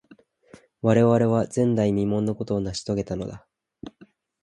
我々は、前代未聞のことを成し遂げたのだ。